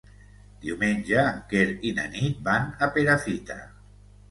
Diumenge en Quer i na Nit van a Perafita.